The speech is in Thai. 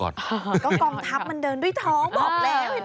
ก็กองทัพมันเดินด้วยท้องบอกแล้ว